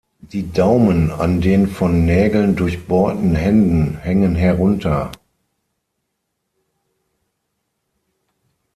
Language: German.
Die Daumen an den von Nägeln durchbohrten Händen hängen herunter.